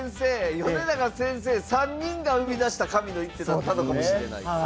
米長先生３人が生み出した神の一手だったのかもしれないという。